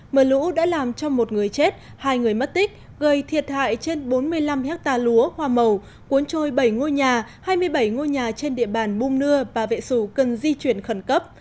mưa lũ đã làm cho một người chết hai người mất tích gây thiệt hại trên bốn mươi năm hectare lúa hoa màu cuốn trôi bảy ngôi nhà hai mươi bảy ngôi nhà trên địa bàn bum nưa và vệ sủ cần di chuyển khẩn cấp